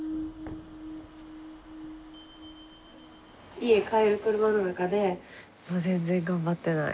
家帰る車の中で「もう全然頑張ってない」。